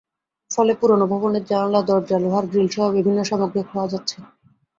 ফলে পুরোনো ভবনের জানালা, দরজা, লোহার গ্রিলসহ বিভিন্ন সামগ্রী খোয়া যাচ্ছে।